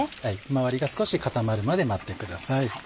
周りが少し固まるまで待ってください。